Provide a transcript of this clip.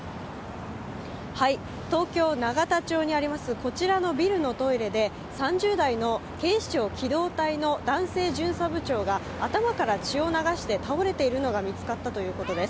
こちらのビルのトイレで３０代の警視庁機動隊の男性巡査部長が、頭から血を流しているのが倒れているのが見つかったということです。